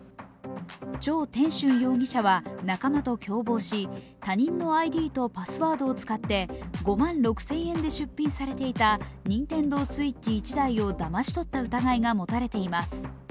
張天俊容疑者は仲間と共謀し他人のＩＤとパスワードを使って５万６０００円で出品されていたＮｉｎｔｅｎｄｏＳｗｉｔｃｈ１台をだまし取った疑いが持たれています。